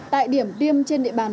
tại điểm tiêm trên địa bàn